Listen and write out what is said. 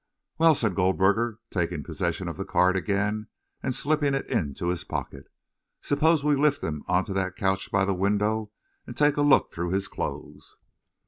"Well," said Goldberger, taking possession of the card again and slipping it into his pocket, "suppose we lift him onto that couch by the window and take a look through his clothes."